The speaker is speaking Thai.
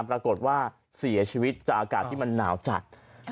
ปรากฏว่าเสียชีวิตจากอากาศที่มันหนาวจัด